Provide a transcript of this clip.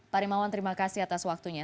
pak rimawan terima kasih atas waktunya